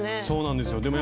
そうなんですよ。